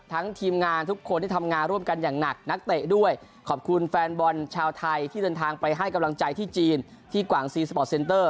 ทีมงานทุกคนที่ทำงานร่วมกันอย่างหนักนักเตะด้วยขอบคุณแฟนบอลชาวไทยที่เดินทางไปให้กำลังใจที่จีนที่กว่างซีสปอร์ตเซนเตอร์